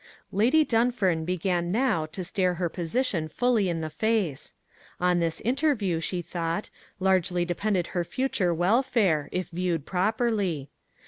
Lady Dunfern began now to stare her position fully in the face. On this interview, she thought, largely depended her future welfare, if viewed properly.